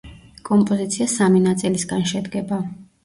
კომპოზიცია სამი ნაწილისგან შედგება.